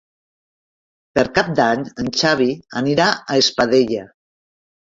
Per Cap d'Any en Xavi anirà a Espadella.